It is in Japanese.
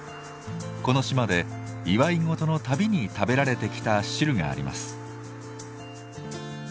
この島で祝い事の度に食べられてきた汁があります。